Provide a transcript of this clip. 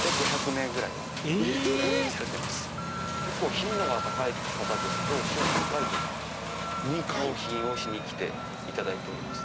頻度が高い方ですと週に２回とか納品をしに来ていただいております。